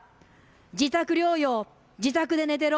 自宅療養、自宅で寝てろ。